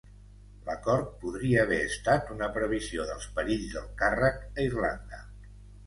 L'acord podria haver estat una previsió dels perills del càrrec a Irlanda.